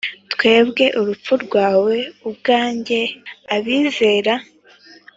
twebwe urupfu rwawe ubwanjye abizera